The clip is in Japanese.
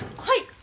はい。